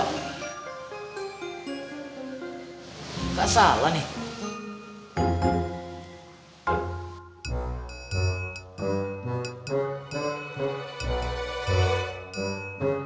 si budi sama ninda makan berdua